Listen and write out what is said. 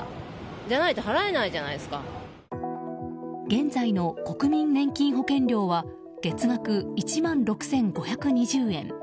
現在の国民年金保険料は月額１万６５２０円。